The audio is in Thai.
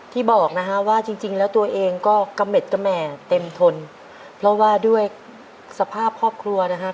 บอกนะฮะว่าจริงจริงแล้วตัวเองก็กระเม็ดกระแหม่เต็มทนเพราะว่าด้วยสภาพครอบครัวนะฮะ